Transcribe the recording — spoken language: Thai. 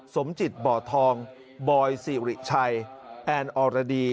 สมจิตบ่อทองบอยสิริชัยแอนอรดี